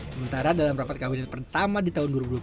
sementara dalam rapat kabinet pertama di tahun dua ribu dua puluh